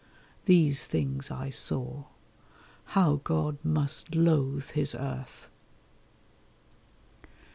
These things I saw. (How God must loathe His earth!)